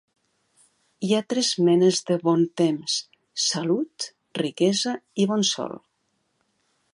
Hi ha tres menes de bon temps: salut, riquesa i bon sol.